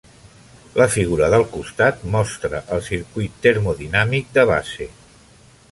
La figura del costat mostra el circuit termodinàmic de base.